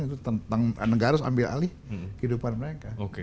itu tentang negara harus ambil alih kehidupan mereka